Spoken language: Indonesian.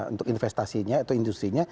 untuk investasinya atau industri nya